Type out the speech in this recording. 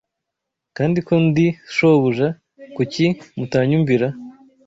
Kandi ko ndi shobuja, kuki mutanyumvira!